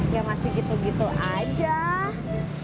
ya masih gitu gitu aja